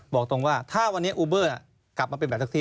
บอกตรงว่าถ้าวันนี้อูเบอร์กลับมาเป็นแบบแท็กซี่